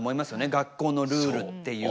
学校のルールっていうのは。